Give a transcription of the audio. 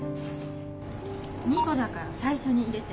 ２個だから最初に入れて。